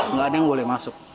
nggak ada yang boleh masuk